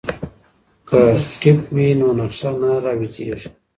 که ټیپ وي نو نقشه نه راویځیږي.